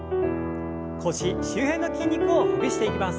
腰周辺の筋肉をほぐしていきます。